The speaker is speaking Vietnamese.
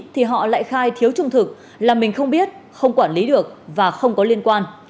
thì họ lại khai thiếu trung thực là mình không biết không quản lý được và không có liên quan